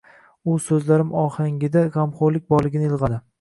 U so’zlarim ohangida g’amxo’rlik borligini ilg’adi.